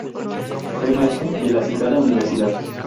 Fue maestro de la citada universidad.